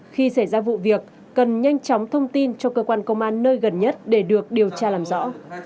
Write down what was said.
khi xảy ra vụ việc cần nhanh chóng thông tin cho cơ quan công an nơi gần nhất để được điều tra làm rõ